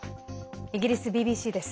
イギリスＢＢＣです。